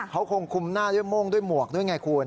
เขาคงคุมหน้าด้วยโม่งด้วยหมวกด้วยไงคุณ